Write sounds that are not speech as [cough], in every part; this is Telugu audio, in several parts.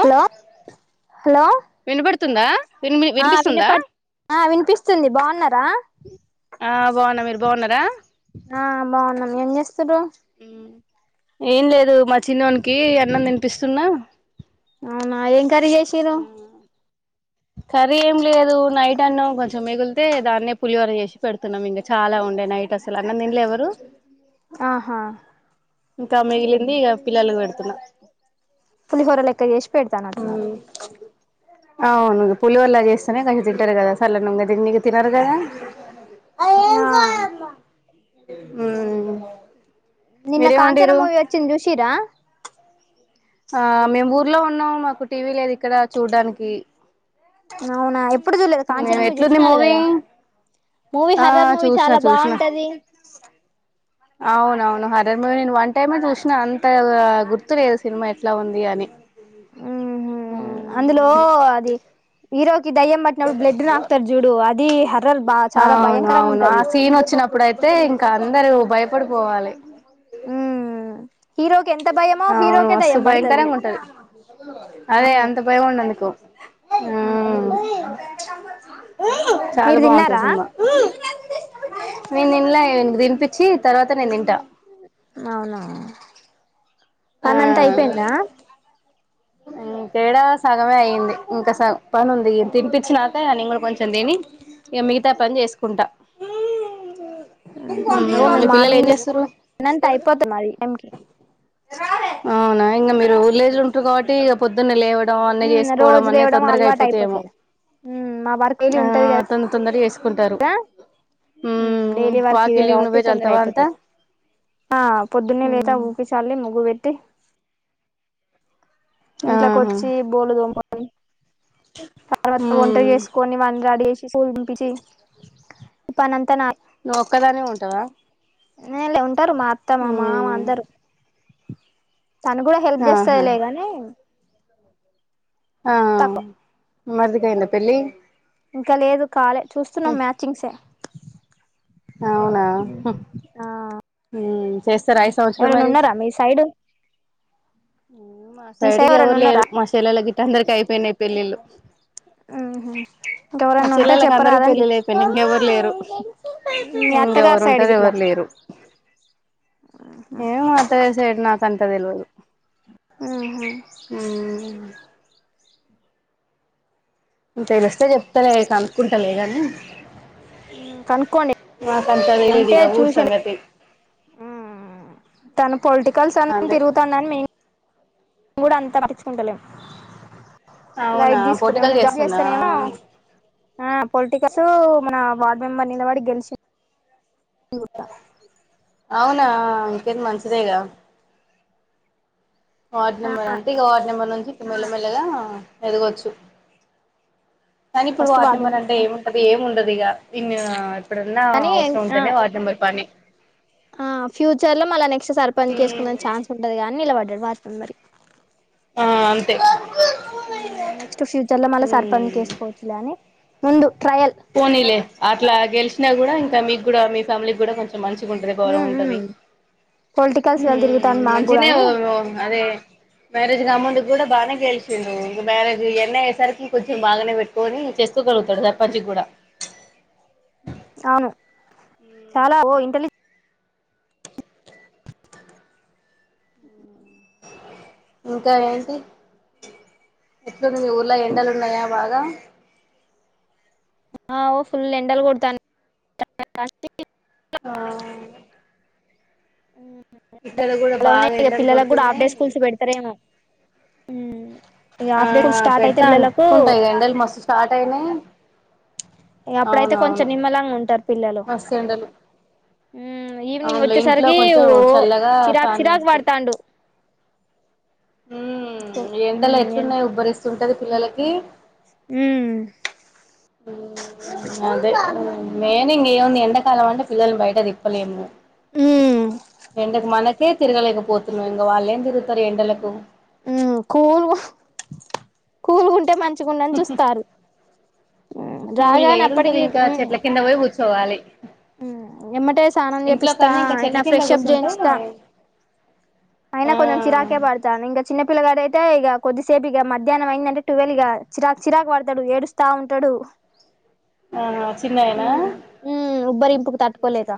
Hello hello. తుందా. ఆ వినపడు వినిపిస్తుంది బాగు రా ఆ బాగున్న మీరు బాగున్నారా ఆ బాగున్నాం ఏం చేస్తం సడు ఏం లేదు మా చిన్నోనికి అన్నం తినిపిస్తున్నా అవునా కరిగేశరు సర్ర ఏం లేదు నైట్ అన్నం కొంచెం మిగిలితే దాన్నే పులివర చేసి పెడుతున్నాం ఇంక చాలా ఉండే నైట్ అసలు అన్న ఇంలు ఎవరు ఆహా ఇంకా మిగిలింది ఇక పిల్లలకి పెడుతున్నా పులిహోర లెక్క చేసి పెడతానంటున్నారు అవు అలా చేస్తేనే కంచం తింటారు కదా సల్ల నుంగ తి నకి తిినరు కదా ఆ అ నిన్న కాంచనా మూవి వచ్చిిన జూషీరా ఆ మేము ఊర్లో ఉన్నాము మాకు టీవీ లేదు ఇక్కడ చూడ్డానికి అవునా ఎప్పుడు చూలేదు కాంచనం ఎట్లుంది చూసినాలి మూవీ కదా మూవీ ఆ హర్రర్ మూవీ చూసిన చాలా చూసిన బాగుంటది అవునవును హర నేను వన్ టైమ చూసినా అంత గుర్తు లేదు సినిమా ఎట్లా ఉంది అని హ్మ్ అందులో అది ఈరోజు హ హర్రర్ బా చాలా అవును భయంకరంగా అవును ఆ ఉంటది సీన్ వచ్చినప్పుడుయితే ఇంకా అందరు భయ ఎప్పుడు పోవాలి హ్మ్మ్ అవును వస్తు భయంకరంగా ఉంటంది అదే అవును అంత భయం ఉండందుకు హ్మ్మ్ జ చాలా మీరు బాగుంటాంది తిన్నారా సినిమా నేను తన్నలా వె దీ పించి తర్వాత నేను తింటా అవునా ఆ పానంత అయిపోయింద తేడా సగమే అయ్యింది ఇంకా స పని ఉంది తినిపించినాక నని ఇ కూడా కొంచెం తిని ఇక మిగతా పని చేసుకుంటా హ్మ్మ్ మే మీ పిల్లలు ఏం మార్నింగ్ చేస్తుర్రు లోంత అయిపోతాం మరి ఏ అవునా ఇంకా మీరు వీళ్ళజ్ ఉంటారు కాబట్టి ఇక పొదు నలవ హ్మ్మ్ రోజులువ్వడం అలవాటు అయిపోతారు మా వర్క్ వెళ ఆ ఉంటది కదా తొందర తొందర చేసుకుంటారు మ్మ్ డైలీ వర్క్ ఇదే వాకిలి కాబట్టి నువ్వే తొందర చల్తావా అంతా అయిపోతారు ఆ పొద్దున్నే లేదా మ్మ్ ఊపి చల్కి ముగ్గు పెట్టి ఇంట్లోకి ఆహా వచ్చి బోల్లుదోమ్మ అయ్ తర్వాత వొంట మ్మ్ చేసుకొని వాన్ని రెడి యేసి పనంత నాద్ నువ్ ఒక్కదానివే ఉంటావా నే [unintelligible] టారు మా అత్త మా మామ మ్మ్ అందరు తను కూడా హెల్ప్ ఆహా జేస్తదిలే గానీ ఆ మరిదికి అయిందా పెళ్ళి ఇంకా లేదు కాలే చూస్తున్నాం మ్యాచింగ్స్ అవునా హ్మ్ ఆ మ్మ్ చేస్తార ఈ సంవత్సరం ఎవరైనా మరి ఉన్నారా మీ సైడ్ మ్మ్ మా మీ సైడ్ కీ ఎవరైనా ఎవరు లేరు ఉన్నారా మా చెల్లెలగి అందరికి అయిపోయినాయి పెళ్ళిళ్ళు ఉహు మా ఇంకెవరైనా ఉంటే చెల్లెలకు అందరికి చెప్పరాదండి పెళ్ళిళ్ళు అయిపోయినాయి, ఇంకెవరు లేరు మీ అత్తగారి ఇంకెవరు సైడ్ ఉంటారు గిట్లా ఎవరు లేరు. ఏమో అత్తయ్య సైడ్ నాకంత ల్ దెలవదు మ్ హు ఇంకేం జేస్ చ్చే చెప్తలే కనుక్కుంటలేగాని [inaudible] మ్ కనుక్కోండి తెలీదు ఉంటే ఇగ ఊరు చూసాం సంగతి తను పొలిటికల్స్ అన్నీ అదే తిరుగుతండని మే మేం గుడ అంత పట్టిచుకుంటలేం అవునా పొలిటికల్ చేస్తుండా ఆ పొలిటికల్స్ మన వార్డ్ మెంబర్ నిలబడి గెలిచి అవునా ఇంకేంది మంచిదేగా వార్డ్ ఆ నెంబర్ అంటే ఇగ వార్డ్ నెంబర్ నుంచి మెల్ల మెల్లగా ఎదగొచ్చు కానీ ఇప్పుడు first ward ward number member అంటే ఏముంటది ఏమున్ ప్రతిగా [unintelligible] కానీ ఆ ఆ ఫ్యూచర్ లో మళ్ళ నెక్స్ట్ సర్పంచ్ మ్మ్ చేసుకుందాం ఛాన్స్ ఉంటది గానీ నిలబడ్ యదార్ధం మరి ఆ అంతే నెక్స్ట్ ఫ్యూచర్ మ్మ్ ఉండు పోనీలే అట్లా గెలిచి నా గూడా ఇంకా మీ గూడా మీ ఫ్యామిలీ గూడా కొంచెం మంచిగుంటది గౌరవం మ్మ్ మ్మ్ ఉంటది పొలిటికల్స్ వేళ తిరుగుతాంది మ్ మాకు కూడా మంచినే అని అదే మ్యారేజ్ గాముందుకు గూడా బానే ఇగ మ్యారేజ్ ఇయన్ని అయ్యేసరికి కొంచెం బాగానే పెట్టుకొని చేసుకోగలుగుతాడు దన్ పచ్చి గూడ అవును చాలా ఓ ఇంటెలిజె ఇంకా ఏంటి ఎట్లుంది మీ ఊర్ల ఎండలు ఉన్నయా బాగా ఆ ఓ ఫుల్ ఎండల్ కొడుతున్నాయ్ ఆ మ్ ఇక్కడ కూడా అలా ఉన్నాయి బాగా ఇగ ఎండలు పిల్లలకి గూడా హాఫ్ డే కొడుతున్నాయి స్కూల్స్ పెడతరేమో మ్ ఆ పెడతా అనుకుంటా ఇది ఎండలు మస్తు స్టార్ట్ అయినాయి అప్పుడైతే కొంచెం అవునవును నిమ్మలాంగా ఉంటారు పిల్లలు మస్తు ఎండలు ఈవినింగ్ అవునులే ఇంట్లో వచ్చేసరికి కొంచెం వు చల్లగా చిరాకు ఫ్యాన్ చిరాకు పడతాండు హ ఎండలు మ్మ్ ఎట్లున్నాయ్ ఉబ్బరిస్త ఉంటది పిల్లలకి మ్మ్ అదే మేను ఇగ ఏముంది ఎండకి తలవాంట పిల్లలు బయట తిప్పలేము ఎండకు మనకు తి తిరగలేకపోతున్నావు ఇంకా వాళ్ళు ఏం తిగుతారు ఎండలకు ఉ కూలు కూలుగుంటే మంచి చ్చకుడాని చూస్తారు రాగానే అప్పటికి చవాలి ఎమ్మటే స్థానం చేపిస్తా కన్నా ఇంకా చెట్ల అయినా కింద ఫ్రెషప్ కూర్చుంటే చేయించస్తా అయినా ఆ కొంచెం చిరాకే బడతా ఇంకా చిన్న పిల్ పిల్లగాడ అయితే ఇక కొద్దిసేపు ఇక మధ్యాహ్నం అయిందంటే టువెల్ ఇక చిరా చిరాకు పడతాడు ఏడుస్తా ఉంటాడు ఆ చిన్నయనా ఉమ్ ఉబ్బరింపుకు తట్టుకోలేక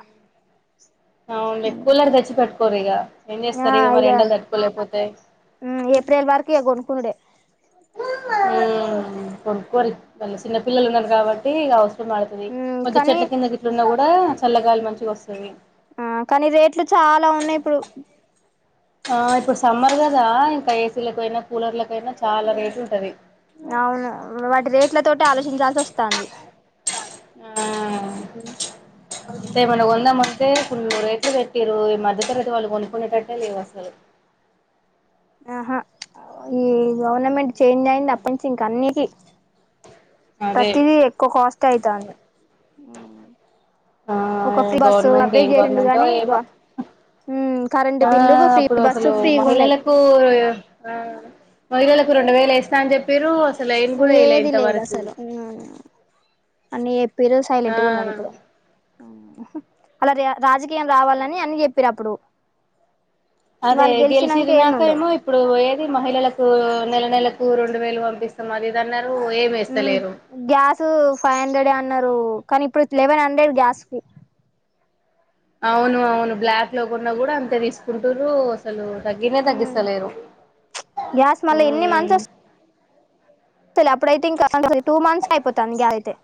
అవునులే కూలర్ తెచ్చి పెడతా కొరిగా ఆ ఇగ ఏప్రిల్ వరకు కొనుక్కొని డే కొనుక్కోరి మళ్ళ చిన్న పిల్లలు ఉన్నారు కాబట్టి అవసరం ట్తుది కొద్ది కానీ చెట్ల కింద కూసున్నగూడ కూడా చల్లగాలి మంచిగా వస్తది ఆ కానీ రేట్లు చాలా ఉన్నాయి ఇప్పుడు ఆ ఇప్పుడు సమ్మర్ కదా ఇంకా ఏసీలకు పోయినా కూలర్ల క్ అవును వాటి రేట్ల తోటి ఆలోచించాలీ వస్తంది మ్మ్ అంతే ఏమన్నా కొందామంటే ఫుల్ రేట్లు పెర్ మీరు ఈ మద్ద తరగతి వాళ్ళు కొనుక్కునేటట్టే లేవు అసలు ఆహా ఈ గవర్నమెంట్ చేంజ్ అయింది అప్పటి నుంచి ఇంక అన్నికి అదే ప్రతిదీ ఎక్కువ కాస్ట్ అయితాంది ఆ ఒక ఫ్రీ బస్సు గవర్నమెంట్ అవే ఏం చేసిండు గవర్నమెంటో గాని ఇగ ఏమో కరెంట్ ఆ బిల్లు ఫ్రీ అప్పుడు బస్సు అసలు ఫ్రీగా ఉన్నాయి మహిళలకు ఆ పదివేలకు రెండ్ వేలెసిన్ సంజ పెరు అసలు ఏం కూడా ఇలే ఇంత వరకు అ నిర్ పరు సైలెంట్ గా ఉన్నారు ఇప్పుడు అలా రాజకీయం రావాలని అని చెప్పిరు అప్పుడు అదే వాళ్ళు గెలిచినాక గెలిచది ఏమి ఉండవు నాకేమో ఇప్పుడు ఏది మహిళలకు నెల నెలకు రెం వేలు పంపిస్తం అదిది అన్నరు మ్మ్ గ్యాస్ ఫైవ్ హండ్రెడ్ ఏ అన్నారు కానీ ఇప్పుడు లెవెన్ హండ్రెడ్ గ్యాస్ ఫీ అవును అవును బ్లాక్ లో కొన్నా కూడా అంతే తీసుకుంటురు అసలు తగ్గినే తగ్గిస్తలేరు గ్యాస్ మళ్ళీ మ్మ్ అంతేలే అప్పుడైతే ఇంకా [inaudible] టూ మంత్స్ అయిపోతంది గ్యాస్ అయితే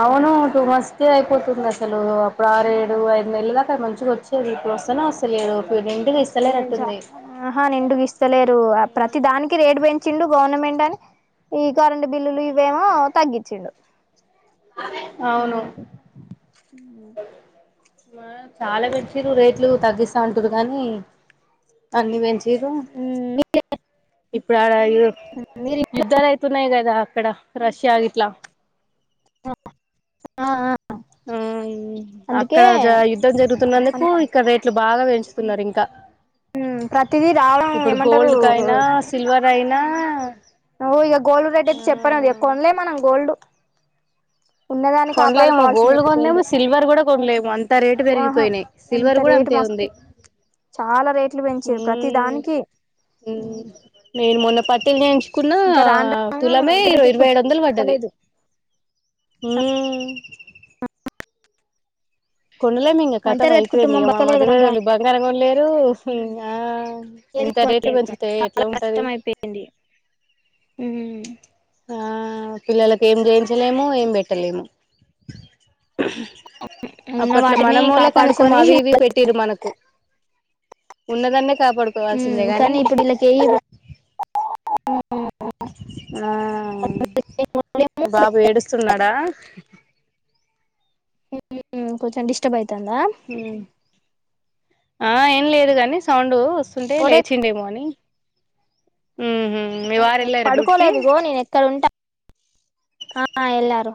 అవును టూ మంత్స్ కే అయిపోతుంది అసలు అప్పుడు ఆరుేడు ఐదు నెలల దాకా మంచిగా వచ్చేది ఇప్పుడు వస్తేనే వస్తలేరు నిండుగా వస్తలేరు ఇస్తలేనట్టుంది ఆహా నిండుకి ఇస్తలేరు ప్రతి దానికి రేటు పెంచిండు గవర్నమెంట్ అని ఈ కరెంటు బిల్లులు ఇవేమో తగ్గించిండు అవును మ్మ్ మ చాలా పెంచిర్ రేట్లు తగ్గిస్తా ఉంటరు కానీ అన్ని పెంచ్ ఇప్పుడు ఆడ మీరు యుద్ధాలు అయితున్నాయి కదా ఇక్కడ రష్యా ఆగిట్లా ఆ ఆ ఆ ఆ అక్కడ అందుకే జ యుద్ధం జరుగుతున్నందుకు ఇక్కడ రేట్లు బాగా పెంచుతున్నారు ఇంక ప్రతిదీ రావడం ఇప్పుడు ఏమంటారు గోల్డ్ కయినా సిల్వర్ అయినా నా నువ్వు ఇక గోల్డ్ రేట్ అయితే చెప్పను అది కొనలేం మనం గోల్డ్ ఉన్నదాన్ని కొనలేము కాపాడుకోవాల్సిందే గోల్డ్ కొనలేము సిల్వర్ కూడా కొనలేము అంత రేటు ఆహా పెరిగిపోయినాయి అంత సిల్వర్ కూడా రేటు అంతే మస్తు ఉంది చాలా రేట్లు పెంచేరు ప్రతి హ్మ్ దానికి పం కున్న ఇంకా రాను రాను తులమే మధ్య ఇరో తరగతి ఇరవై ఏడు వందలు కుటుంబం పడ్డది బతకలేదు కొనలేము ఇంకకా మధ్య కథం తరగతి అయిపోయింది కుటుంబం ఇక మా బతకలేదు మధగ రాను వాళ్ళకి బగంగనరంగండలేరు ఫ ఆ ఇకా రేట్లు రాను మంచతాయి ఎట్లా ఉంటది ఉ ఆ పిల్లలకి ఏం జయించలేము ఏం పెట్టలేము ఉన్న అప్పట్లో వాటిని మనముూలే కనీసం కాపాడుకొని అవి ఇవి పెట్టిరు మనకు ఉన్నదన్న ఉమ్ కాపాడుకోవాల్సిందే గానీ కానీ ఇప్పుడు వీళ్ళకి ఏ ఆ బాబు ఏడుస్తున్నాడా కొంచెం డిస్టర్బ్యతుతే ఇంతంద హ్మ్ ఆ ఏం లేదు కాని సౌండ్ వస్తుంటే ఇప్పుడే లేచిండే మార్నింగ్ వెళ్ళారా డ్యూటీకి పడుకోలేదు గో నేను ఎక్కడ ఉంటా ఆ ఎలారో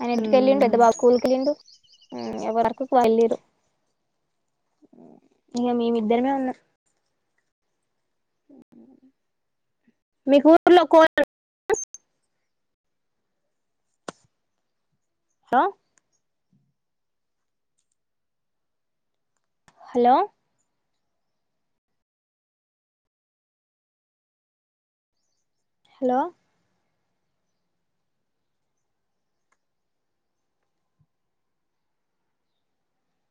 అని ఇటికి వెళ్లి ఉండు మ్మ్ ఎద్దాకూలుకిలిండు ఎవరకుళరు ఇకా మేమి ఇద్దరమే ఉన్నాం మీకు ఊర్లో కో హ హలో హలో